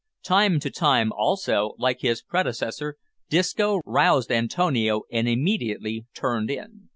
True to time also, like his predecessor, Disco roused Antonio and immediately turned in.